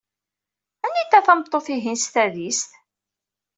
Anita tameṭṭut-ihin s tadist?